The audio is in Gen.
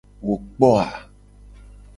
Wo kpo.